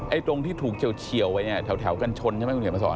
ไอ้ตรงที่ถูกเฉียวไว้เนี่ยแถวกัญชนใช่มั้ยคุณเหนียวมาสอน